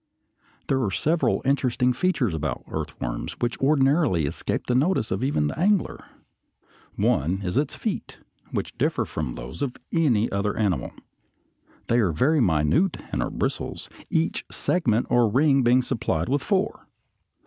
There are several interesting features about earthworms which ordinarily escape the notice of even the angler. One is its feet, which differ from those of any other animal. They are very minute, and are bristles, each segment or ring being supplied with four.